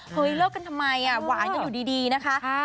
เห้ยเลิกกันทำไมอ่ะหวานก็อยู่ดีน่ะค่ะ